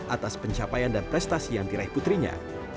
atas pencapaian dan prestasi yang diraih putrinya